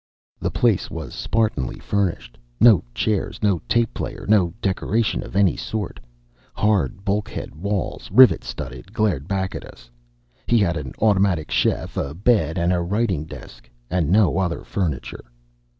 The place was spartanly furnished. No chairs, no tape player, no decoration of any sort. Hard bulkhead walls, rivet studded, glared back at us. He had an automatic chef, a bed, and a writing desk, and no other furniture.